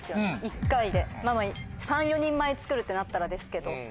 ３４人前作るってなったらですけど。